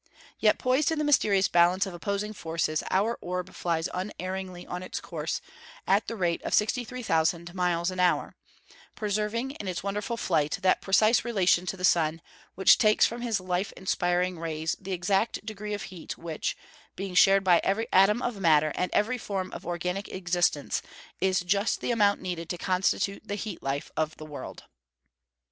Yet, poised in the mysterious balance of opposing forces, our orb flies unerringly on its course, at the rate of 63,000 miles an hour; preserving, in its wonderful flight, that precise relation to the sun, which takes from his life inspiring rays the exact degree of heat, which, being shared by every atom of matter, and every form of organic existence, is just the amount needed to constitute the heat life of the world!